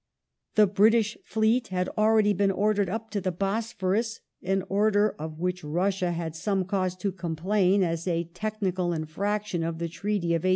The British fleet had already been ordered up to the Bosphorus — an order of which Russia had some cause to complain as a technical infraction of the Treaty of 1841.